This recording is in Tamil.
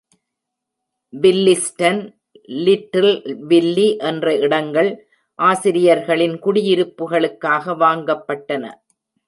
வில்லிஸ்டன், லிட்டில் வில்லி என்ற இடங்கள் ஆசிரியர்களின் குடியிருப்புகளுக்காக வாங்கப்பட்டன.